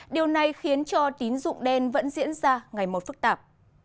điều này khiến cho tín dụng đen vẫn diễn ra ngày một phức tạp